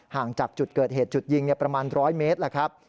ห่างจากจุดเกิดเหตุจุดยิงประมาณ๑๐๐เมตรแล้วครับ